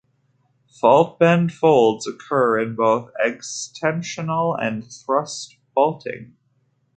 Fault bend folds occur in both extensional and thrust faulting.